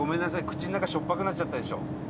口の中しょっぱくなっちゃったでしょ。